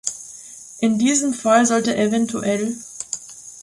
In diesem Fall sollte evtl.